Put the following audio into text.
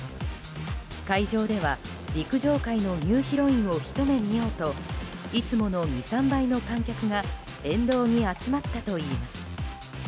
会場では陸上界のニューヒロインをひと目見ようといつもの２３倍の観客が沿道に集まったといいます。